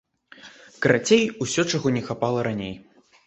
Карацей, усё, чаго не хапала раней.